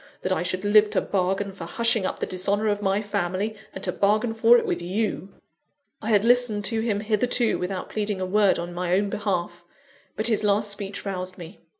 that I should live to bargain for hushing up the dishonour of my family, and to bargain for it with you." I had listened to him hitherto without pleading a word in my own behalf; but his last speech roused me.